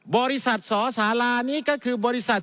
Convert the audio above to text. บริษัทสสารานี้ก็คือบริษัท